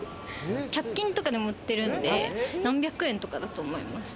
１００均とかでも売ってるんで何百円とかだと思います。